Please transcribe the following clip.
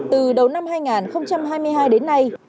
từ đầu năm hai nghìn hai mươi hai đến nay